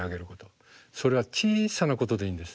それは小さなことでいいんです。